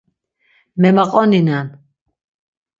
Memaqoninen.